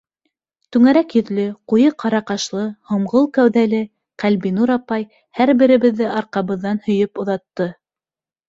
Түңәрәк йөҙлө, ҡуйы ҡара ҡашлы, һомғол кәүҙәле Ҡәлбинур апай һәр беребеҙҙе арҡабыҙҙан һөйөп оҙатты.